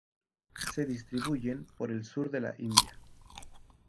Se distribuyen por el sur de la India.